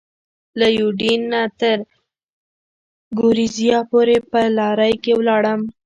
له یوډین نه تر ګورېزیا پورې په لارۍ کې ولاړم.